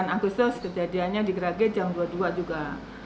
sembilan agustus kejadiannya di gerage jam dua puluh dua juga